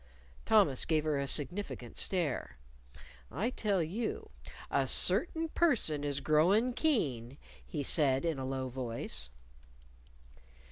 Thomas gave her a significant stare. "I tell you, a certain person is growin' keen," he said in a low voice.